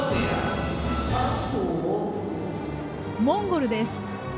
モンゴルです。